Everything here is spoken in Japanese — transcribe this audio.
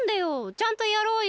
ちゃんとやろうよ。